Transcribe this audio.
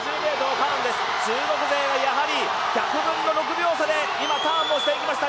中国勢がやはり１００分の６秒差でターンをしていきました